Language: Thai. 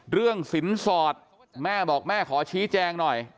เรื่องสินสอดแม่บอกแม่ขอชี้แจงหน่อย